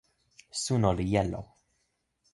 suno li jelo.